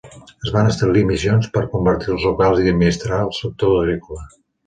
Es van establir missions per convertir als locals y administrar el sector agrícola.